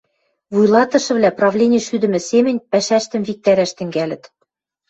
Вуйлатышывлӓ правлени шӱдӹмӹ семӹнь пӓшӓштӹм виктӓрӓш тӹнгӓлӹт.